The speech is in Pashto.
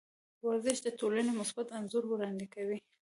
ورزش د ټولنې مثبت انځور وړاندې کوي.